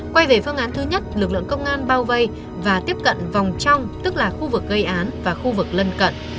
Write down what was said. quay về phương án thứ nhất lực lượng công an bao vây và tiếp cận vòng trong tức là khu vực gây án và khu vực lân cận